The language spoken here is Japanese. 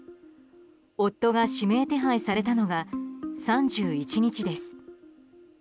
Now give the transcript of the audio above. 夫が指名手配されたのが３１日です。